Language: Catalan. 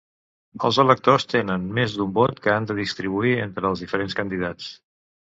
Els electors tenen més d'un vot que han de distribuir entre els diferents candidats.